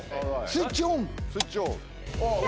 スイッチオン。